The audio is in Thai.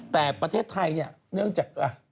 แต่ประเทศไทยเนี่ยเนื่องจาก